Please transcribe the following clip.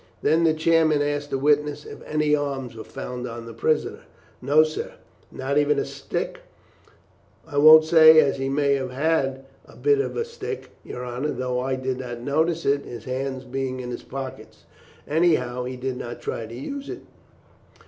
Then the chairman asked the witness if any arms were found on the prisoner. "No, sir." "Not even a stick?" "I won't say as he may not have had a bit of a stick, your honour, though I did not notice it, his hands being in his pockets; anyhow, he did not try to use it."